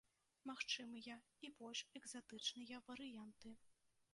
Магчымыя і больш экзатычныя варыянты.